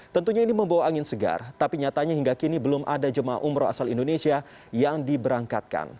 tentunya ini membawa angin segar tapi nyatanya hingga kini belum ada jemaah umroh asal indonesia yang diberangkatkan